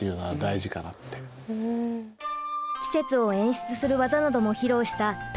季節を演出する技なども披露した田村さん。